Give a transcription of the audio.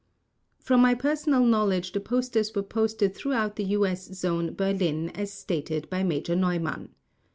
From my personal knowledge the posters were posted throughout the U.S. Zone, Berlin, as stated by Major Neumann.